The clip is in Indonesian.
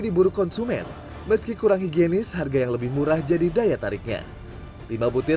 diburu konsumen meski kurang higienis harga yang lebih murah jadi daya tariknya lima butir